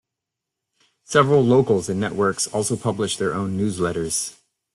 Several locals and networks also publish their own newsletters.